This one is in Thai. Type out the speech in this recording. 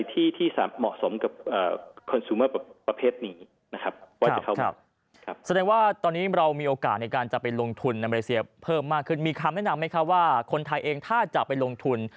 แสดงว่าตอนนี้เรามีโอกาสในการจะไปลงทุนในมาเลเซียเพิ่มมากขึ้นมีคำแนะนำไหมครับว่าคนไทยเองถ้าจะไปลงทุน